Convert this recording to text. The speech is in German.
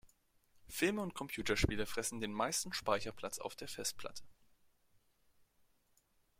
Filme und Computerspiele fressen den meisten Speicherplatz auf der Festplatte.